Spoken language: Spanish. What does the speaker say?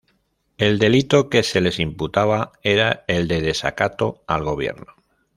El delito que se les imputaba era el de desacato al Gobierno.